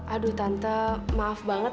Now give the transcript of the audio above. aduh tante maaf banget